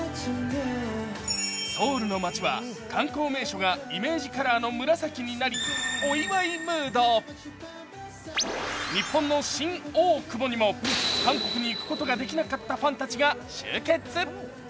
ソウルの街は観光名所がイメージカラーの紫になりお祝いムード、日本の新大久保にも韓国に行くことができなかったファンたちが集結。